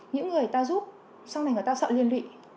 những người ta giúp sau này người ta sợ liên lụy